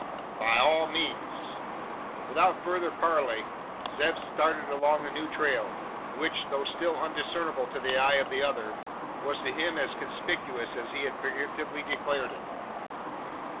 "By all means!" Without further parley, Zeb started along the new trail; which, though still undiscernible to the eye of the other, was to him as conspicuous as he had figuratively declared it.